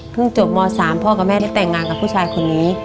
จบม๓พ่อกับแม่ได้แต่งงานกับผู้ชายคนนี้